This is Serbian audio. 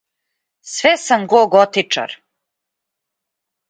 Све сам го готичар!